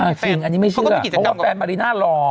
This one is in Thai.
จริงอันนี้ไม่เชื่อเพราะว่าแฟนมาริน่ารอ